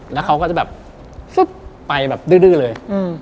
แล้วเขาก็จะแบบสุดไปแบบดื้อเลย